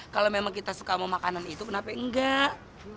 kalo memang kita suka sama makanan itu kenapa enggak